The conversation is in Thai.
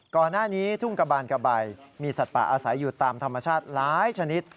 ก่อนหน้านี้ทุ่งกระบานกะใบมีสัตว์ป่าอาศัยอยู่ตามธรรมชาติหลายชนิด